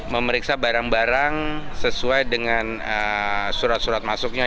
memeriksa barang barang sesuai dengan surat surat masuknya